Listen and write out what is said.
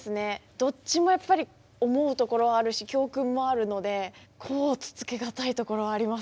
どっちもやっぱり思うところはあるし教訓もあるので甲乙つけがたいところありますよね。